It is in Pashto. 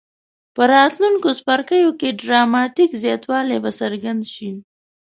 په راتلونکو څپرکو کې ډراماټیک زیاتوالی به څرګند شي.